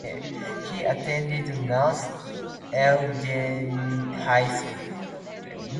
He attended North Eugene High School.